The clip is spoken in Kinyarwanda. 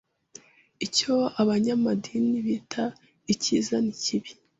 icyo abanyamadini bita Icyiza n'ikibi